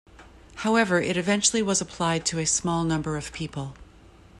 However it eventually was applied to a small number of people.